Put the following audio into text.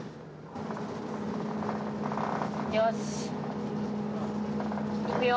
よしいくよ。